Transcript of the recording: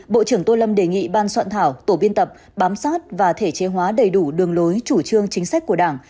bộ trưởng tô lâm đề nghị ban soạn thảo tổ biên tập bám sát và thể chế hóa đầy đủ đường lối chủ trương chính sách của đảng